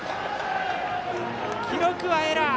記録はエラー。